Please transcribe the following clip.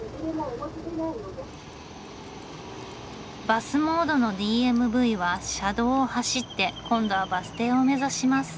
バスモードのＤＭＶは車道を走って今度はバス停を目指します。